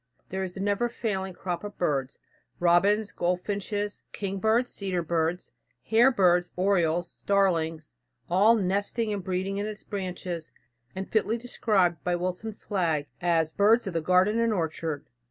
Then there is the never failing crop of birds robins, goldfinches, king birds, cedar birds, hair birds, orioles, starlings all nesting and breeding in its branches, and fitly described by Wilson Flagg as "Birds of the Garden and Orchard."